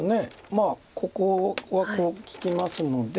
まあここはこう利きますので。